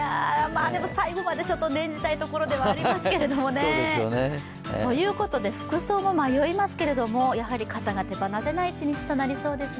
でも最後まで念じたいところではありますけどね。ということで、服装も迷いますけども、やはり傘で手放せない一日となりそうですね。